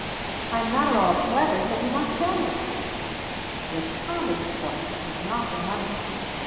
I am not at all clever, so you must tell me." With Tommy, of course, it was not her money.